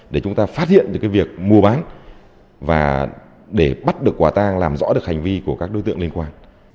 để chúng ta phát hiện được việc mua bán và để bắt được quả tang làm rõ được hành vi của các đối tượng liên quan